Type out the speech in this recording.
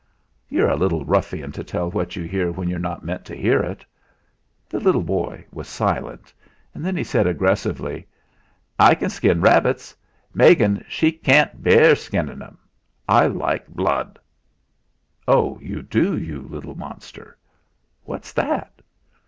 "You're a little ruffian to tell what you hear when you're not meant to hear it!" The little boy was silent. Then he said aggressively: "I can skin rabbets. Megan, she can't bear skinnin' 'em. I like blood." "Oh! you do; you little monster!" "What's that?"